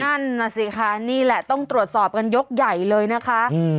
นั่นน่ะสิคะนี่แหละต้องตรวจสอบกันยกใหญ่เลยนะคะ